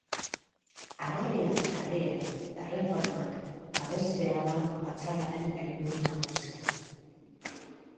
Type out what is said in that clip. Arabiar herrien erreformak babestea da batzarraren helburu nagusia.